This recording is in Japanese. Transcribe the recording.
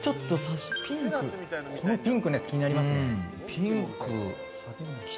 このピンク気になりますね。